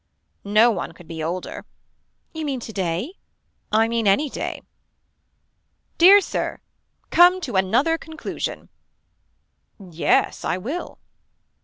No one could be older. You mean today. I mean anyday. Dear Sir. Come to another conclusion. Yes I will.